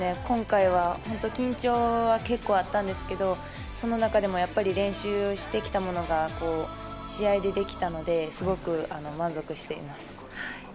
今回は緊張は結構あったんですけどその中でもやっぱり練習してきたものが試合でできたのですごく満足しています。